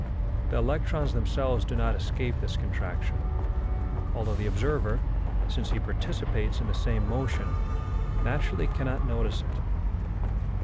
The electrons themselves do not escape this contraction, although the observer, since he participates in the same motion, naturally cannot notice it.